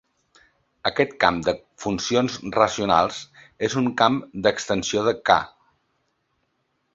Aquest camp de funcions racionals és un camp d'extensió de "K".